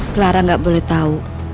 clara gak boleh tahu